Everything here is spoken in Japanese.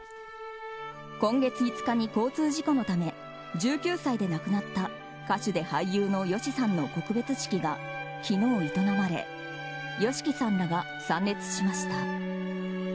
今月５日に交通事故のため１９歳で亡くなった歌手で俳優のＹＯＳＨＩさんの告別式が昨日、営まれＹＯＳＨＩＫＩさんらが参列しました。